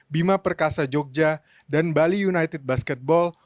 bima perkasa jogja dan bali united basketball